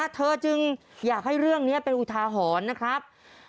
เธอจึงอยากให้เรื่องนี้เป็นอุทาหรณ์นะครับ